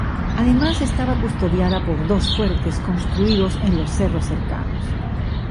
Además estaba custodiada por dos fuertes construidos en los cerros cercanos.